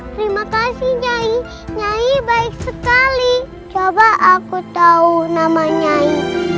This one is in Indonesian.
terima kasih nyai nyai baik sekali coba aku tahu namanyai